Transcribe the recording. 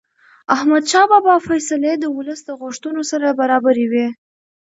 احمدشاه بابا فیصلې د ولس د غوښتنو سره برابرې وې.